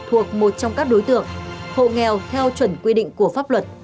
thuộc một trong các đối tượng hộ nghèo theo chuẩn quy định của pháp luật